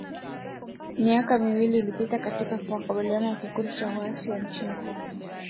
Miaka miwili ilipita katika kukabiliana na makundi ya waasi nchini Kongo